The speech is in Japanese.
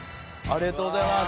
ありがとうございます。